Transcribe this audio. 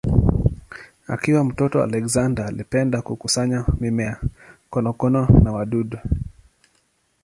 Akiwa mtoto Alexander alipenda kukusanya mimea, konokono na wadudu.